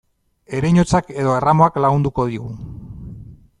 Ereinotzak edo erramuak lagunduko digu.